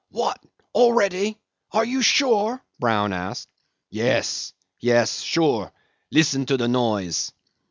"What? Already? Are you sure?" Brown asked. "Yes! yes! Sure. Listen to the noise."